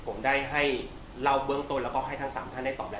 ผมได้ให้เล่าเบื้องต้นแล้วก็ให้ทั้ง๓ท่านได้ตอบแล้ว